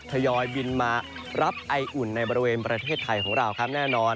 ทยอยบินมารับไออุ่นในบริเวณประเทศไทยของเราครับแน่นอน